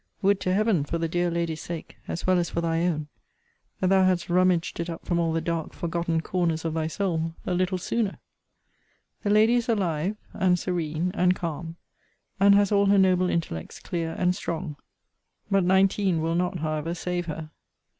Would to Heaven, for the dear lady's sake, as well as for thy own, that thou hadst rummaged it up from all the dark forgotten corners of thy soul a little sooner! The lady is alive, and serene, and calm, and has all her noble intellects clear and strong: but nineteen will not however save her.